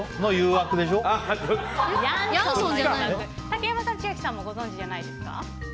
竹山さん、千秋さんもご存じじゃないですか？